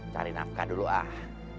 cari nafkah dulu ah